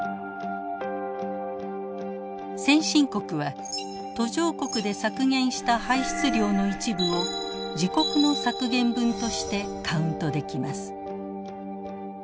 先進国は途上国で削減した排出量の一部を自国の削減分としてカウントできます。